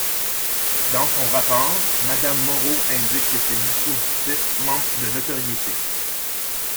Dans son rapport, Madame Moreau indique que ce dispositif manque de notoriété.